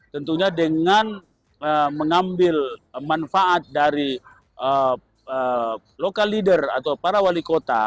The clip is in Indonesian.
tentunya dengan mengambil manfaat dari local leader atau para wali kota